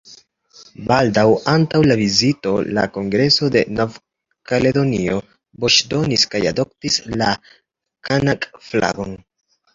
Baldaŭ antaŭ la vizito, la Kongreso de Nov-Kaledonio voĉdonis kaj adoptis la Kanak-flagon.